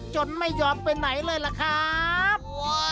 ไม่ยอมไปไหนเลยล่ะครับ